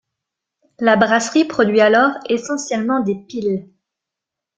La brasserie produit alors essentiellement des pils.